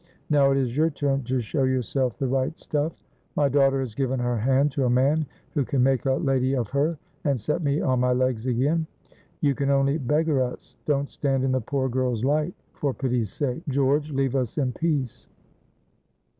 Now it is your turn to show yourself the right stuff. My daughter has given her hand to a man who can make a lady of her, and set me on my legs again. You can only beggar us. Don't stand in the poor girl's light; for pity's sake, George, leave us in peace."